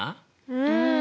うん。